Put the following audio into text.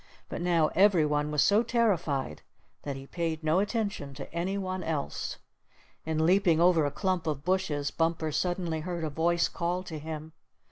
But now every one was so terrified that he paid no attention to any one else. In leaping over a clump of bushes, Bumper suddenly heard a voice call to him.